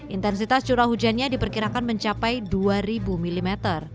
intensitas curah hujannya diperkirakan mencapai dua ribu mm